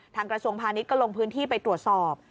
กระทรวงพาณิชย์ก็ลงพื้นที่ไปตรวจสอบ